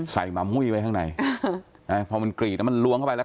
หมามุ้ยไว้ข้างในพอมันกรีดแล้วมันล้วงเข้าไปแล้ว